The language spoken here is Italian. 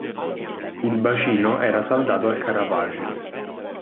Il bacino era saldato al carapace.